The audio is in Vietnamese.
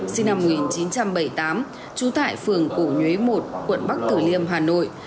sinh năm một nghìn chín trăm bảy mươi tám trú tại phường cổ nhuế một quận bắc tử liêm hà nội